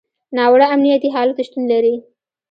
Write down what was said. ناوړه امنیتي حالت شتون لري.